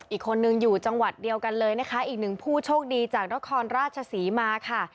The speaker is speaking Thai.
อีกคนนึงอยู่จังหวัดเดียวกันเลยนะคะอีกหนึ่งผู้โชคดีจากนครราชศรีมาค่ะ